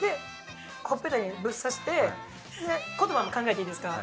ほっぺたにぶっ刺して言葉も考えていいですか？